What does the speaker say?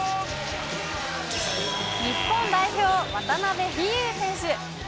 日本代表、渡邉飛勇選手。